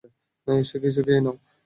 এসে কিছু খেয়ে নাও।